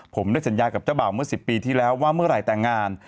ผมได้สัญญากับเจ้าบ่าวเมื่อ๑๐ปีที่แล้วว่าเมื่อไหร่แต่งงาน